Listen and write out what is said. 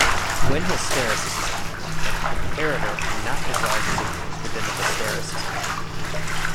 When hysteresis is added then a comparator cannot resolve signals within the hysteresis band.